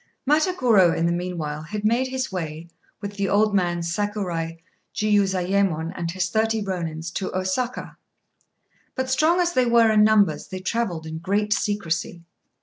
Matagorô in the meanwhile had made his way, with the old man Sakurai Jiuzayémon and his thirty Rônins, to Osaka. But, strong as they were in numbers, they travelled in great secrecy.